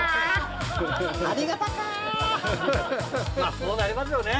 そうなりますよね。